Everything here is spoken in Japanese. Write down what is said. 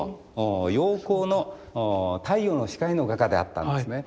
陽光の太陽の光の画家であったんですね。